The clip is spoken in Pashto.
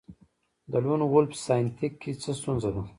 د لون وولف ساینتیک کې څه ستونزه ده